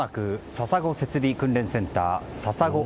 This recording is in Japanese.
笹子設備訓練センター。